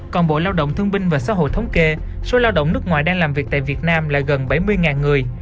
còn bộ lao động thương binh và xã hội thống kê số lao động nước ngoài đang làm việc tại việt nam là gần bảy mươi người